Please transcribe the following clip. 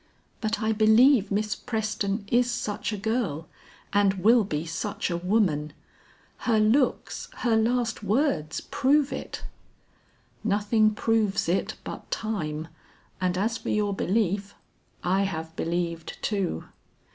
"But I believe Miss Preston is such a girl and will be such a woman. Her looks, her last words prove it." "Nothing proves it but time and as for your belief, I have believed too."